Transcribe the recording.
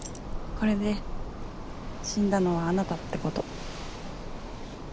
これで死んだのはあなたってこと。